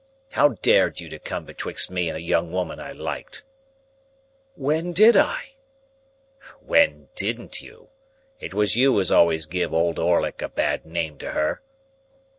How dared you to come betwixt me and a young woman I liked?" "When did I?" "When didn't you? It was you as always give Old Orlick a bad name to her."